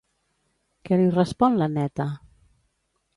Què li respon l'Anneta?